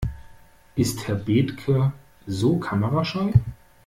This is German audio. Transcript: Ist Herr Bethke so kamerascheu?